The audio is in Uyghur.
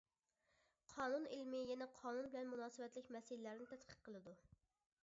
قانۇن ئىلمى يەنە قانۇن بىلەن مۇناسىۋەتلىك مەسىلىلەرنى تەتقىق قىلىدۇ.